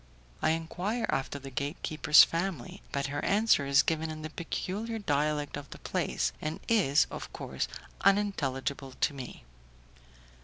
I enquire after the gatekeeper's family, but her answer is given in the peculiar dialect of the place, and is, of course, unintelligible to me.